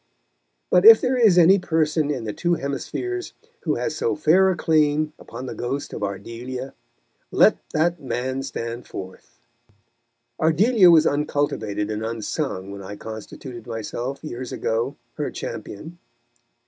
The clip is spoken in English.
But if there is any person in the two hemispheres who has so fair a claim upon the ghost of Ardelia, let that man stand forth. Ardelia was uncultivated and unsung when I constituted myself, years ago, her champion.